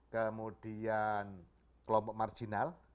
kemudian kelompok marginal